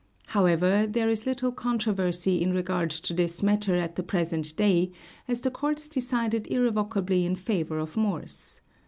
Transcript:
However, there is little controversy in regard to this matter at the present day as the courts decided irrevocably in favor of Morse.